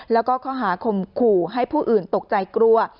แล้วก็ข้อหาคมขู่ให้ผู้อื่นตกใจกลัว